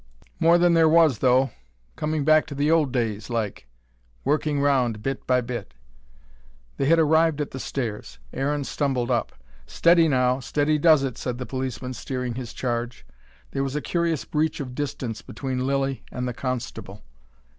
"More than there was, though. Coming back to the old days, like. Working round, bit by bit." They had arrived at the stairs. Aaron stumbled up. "Steady now! Steady does it!" said the policeman, steering his charge. There was a curious breach of distance between Lilly and the constable.